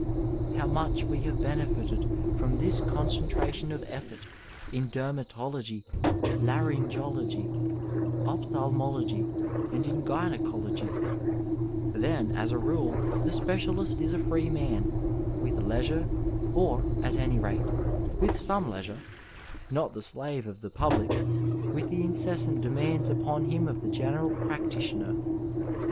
How much we have benefited from this concentration of effort in dermatology, laryngology, ophthalmology, and in gyneco logy I Then, as a rule, the specialist is a free man, with leisure or, at any rate, with some leisure ; not the slave of the public, with the incessant demands upon him of the general practitioner.